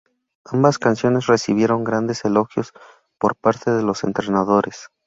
Ambas canciones recibieron grandes elogios por parte de los entrenadores.